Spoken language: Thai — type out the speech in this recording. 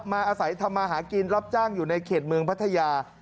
อาศัยทำมาหากินรับจ้างอยู่ในเขตเมืองพัทยา